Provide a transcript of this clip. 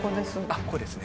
あっここですね。